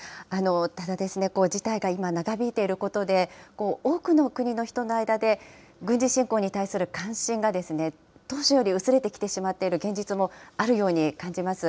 ただですね、事態が今、長引いていることで、多くの国の人の間で軍事侵攻に対する関心が当時より薄れてきてしまっている現実もあるように感じます。